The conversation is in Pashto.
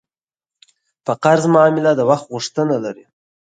په قرض معامله د وخت غوښتنه لري.